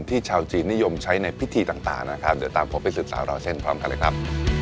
ที่ชาวจีนนิยมใช้ในพิธีต่างเดี๋ยวตามไปสื่อสาวเราเช่นพร้อมกันเลยครับ